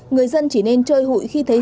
người dân chỉ nên chơi hội khi thấy